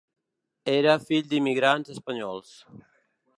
Era fill d'immigrants espanyols.